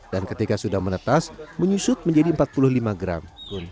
dan ketika sudah menetes menyusut menjadi empat puluh lima gram